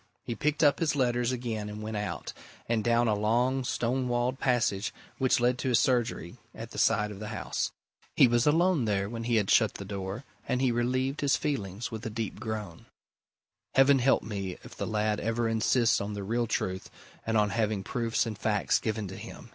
He picked up his letters again and went out, and down a long stone walled passage which led to his surgery at the side of the house. He was alone there when he had shut the door and he relieved his feelings with a deep groan. "Heaven help me if the lad ever insists on the real truth and on having proofs and facts given to him!"